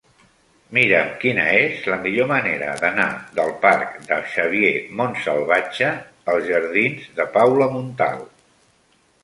Mira'm quina és la millor manera d'anar del parc de Xavier Montsalvatge als jardins de Paula Montal.